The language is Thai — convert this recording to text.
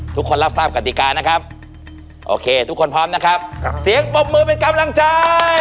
ทุกคนรับทราบกฎิกานะครับโอเคทุกคนพร้อมนะครับเสียงปรบมือเป็นกำลังใจ